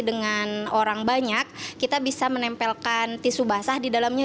dengan orang banyak kita bisa menempelkan tisu basah di dalamnya